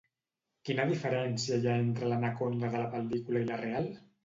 Quina diferència hi ha entre l'anaconda de la pel·lícula i la real?